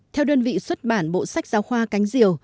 theo đơn vị xuất bản bộ sách giáo khoa cánh diều